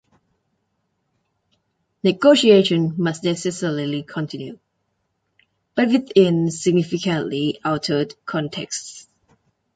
Negotiation must necessarily continue - but within significantly altered contexts.